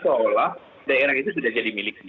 seolah olah daerah itu sudah jadi milik sendiri